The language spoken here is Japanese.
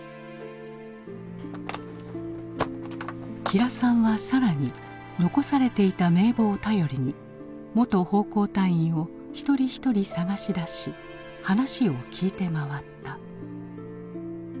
吉良さんは更に残されていた名簿を頼りに元奉公隊員を一人一人捜し出し話を聞いて回った。